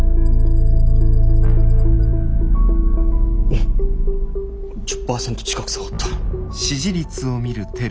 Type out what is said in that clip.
おっ１０％近く下がった。